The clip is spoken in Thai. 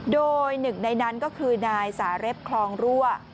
โดยหนึ่งในนั้นก็คือนายสาเล็บคลองรั่ว